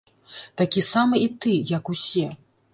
Такі самы і ты, як усе.